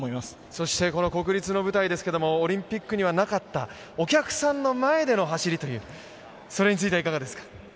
そして、国立の舞台オリンピックにはなかったお客さんの前での走りという、それについてはいかがですか。